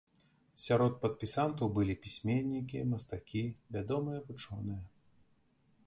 Сярод падпісантаў былі пісьменнікі, мастакі, вядомыя вучоныя.